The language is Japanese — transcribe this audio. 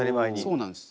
そうなんです。